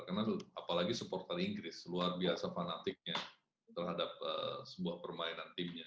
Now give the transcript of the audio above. karena apalagi supporter inggris luar biasa fanatiknya terhadap sebuah permainan timnya